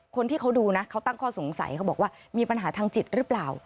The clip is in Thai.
คนที่เขาดูนะเขาตั้งข้อสงสัยเขาบอกว่ามีปัญหาทางจิตหรือเปล่า